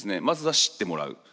まずは知ってもらう。